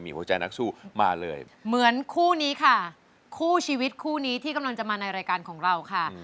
หัวใจนักสู้มาเลยเหมือนคู่นี้ค่ะคู่ชีวิตคู่นี้ที่กำลังจะมาในรายการของเราค่ะ